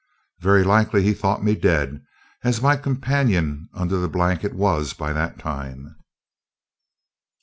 Very likely he thought me dead, as my companion under the blanket was by that time.